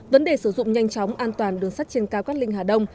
vấn đề sử dụng nhanh chóng an toàn đường sắt trên cao cát linh hà đông